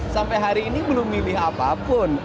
sampai hari ini belum milih apapun